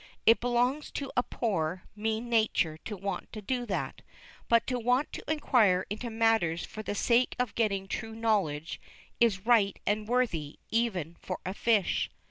It belongs to a poor, mean nature to want to do that. But to want to inquire into matters for the sake of getting true knowledge is right and worthy even for a fish.